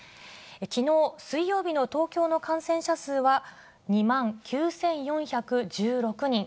きのう水曜日の東京の感染者数は、２万９４１６人。